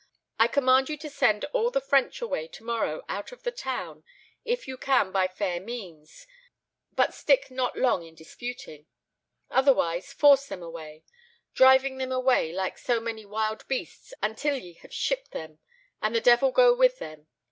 I command you to send all the French away to morrow out of the town, if you can by fair means (but stick not long in disputing), otherways force them away driving them away like so many wild beasts until ye have shipped them; and the devil go with them.